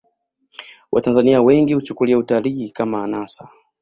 watanzania wengi huchukulia utalii kama anasa